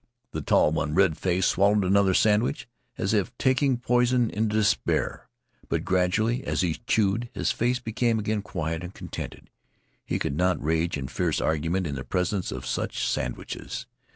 The tall one, red faced, swallowed another sandwich as if taking poison in despair. But gradually, as he chewed, his face became again quiet and contented. He could not rage in fierce argument in the presence of such sandwiches.